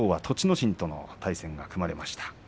心との対戦が組まれました。